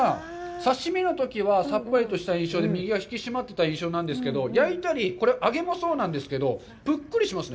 刺身のときは、さっぱりとした印象で身が引き締まってた印象なんですけど、焼いたり、この揚げもそうなんですけど、ぷっくりしますね。